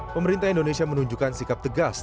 pemerintah indonesia menunjukkan sikap tegas